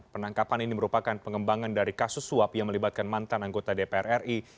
penangkapan ini merupakan pengembangan dari kasus suap yang melibatkan mantan anggota dpr ri